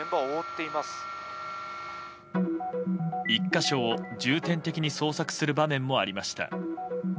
１か所を重点的に捜索する場面もありました。